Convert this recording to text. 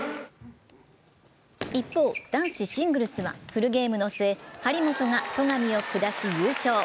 一方、男子シングルスはフルゲームの末、張本が戸上を下し優勝。